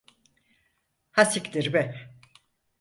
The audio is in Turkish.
Ha siktir be!